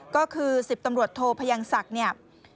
ก็คือ๑๐ตำรวจโทพยังศักดิ์เนี่ย